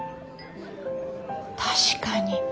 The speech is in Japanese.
確かに。